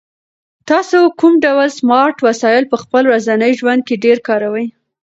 تاسو کوم ډول سمارټ وسایل په خپل ورځني ژوند کې ډېر کاروئ؟